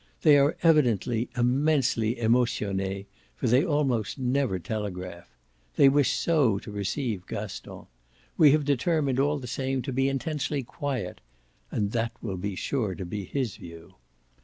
They are evidently immensely emotionnes, for they almost never telegraph. They wish so to receive Gaston. We have determined all the same to be intensely QUIET, and that will be sure to be his view.